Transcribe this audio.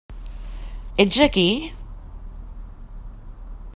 Ets aquí?